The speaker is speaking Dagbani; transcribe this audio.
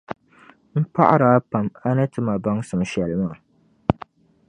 m paɣiri a pam a ni ti ma baŋsim shɛli maa.